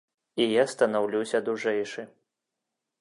І я станаўлюся дужэйшы.